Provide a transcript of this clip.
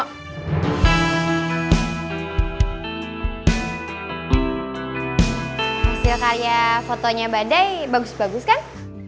hasil karya fotonya badai bagus bagus kan